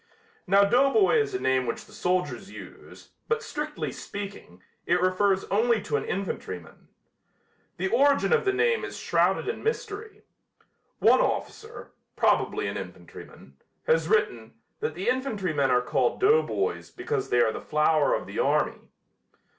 Now Doughboy is a name which the soldiers use, but strictly speaking, it refers only to an infantryman. The origin of the name is shrouded in mystery. One officer, probably an infantryman, has written, that the infantrymen are called doughboys because they are the flower of the army.